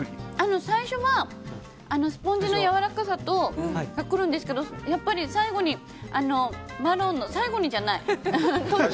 最初は、スポンジのやわらかさが来るんですけど最後にマロンの最後にじゃない。